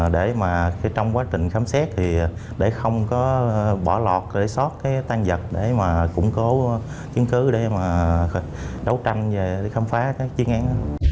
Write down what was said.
để mà trong quá trình khám xét thì để không có bỏ lọt để xót cái tan vật để mà củng cố chiến cứu để mà đấu tranh về khám phá cái chiến án